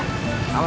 terima kasih bang